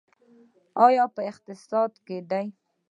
دا په اقتصاد کې ده.